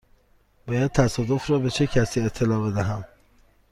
باید تصادف را به چه کسی اطلاع بدهم؟